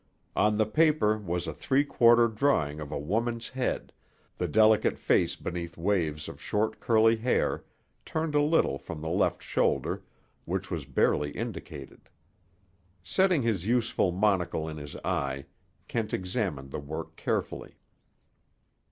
On the paper was a three quarter drawing of a woman's head, the delicate face beneath waves of short curly hair, turned a little from the left shoulder, which was barely indicated. Setting his useful monocle in his eye, Kent examined the work carefully.